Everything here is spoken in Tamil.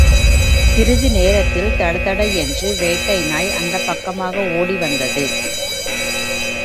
சிறிது நேரத்தில், தடதட என்று வேட்டை நாய் அந்தப் பக்கமாக ஒடி வந்தது.